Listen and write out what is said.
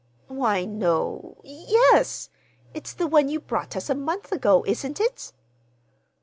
"Why, no,—yes, it's the one you brought us a month ago, isn't it?"